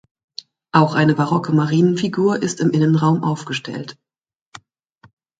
Auch eine barocke Marienfigur ist im Innenraum aufgestellt.